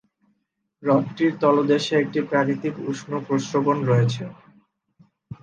হ্রদটির তলদেশে একটি প্রাকৃতিক উষ্ণ প্রস্রবণ রয়েছে।